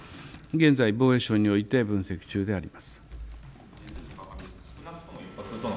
現在、防衛省において分析中であります。